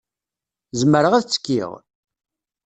Zemreɣ ad ttekkiɣ?.